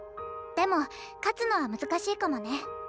でも勝つのは難しいかもね。